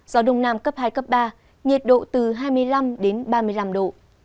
gió đông nam cấp hai cấp ba nhiệt độ từ hai mươi năm đến ba mươi năm độ